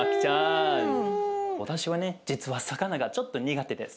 私はね実は魚がちょっと苦手です。